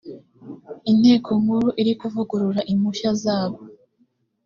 inteko nkuru iri kuvugurura impushya zabo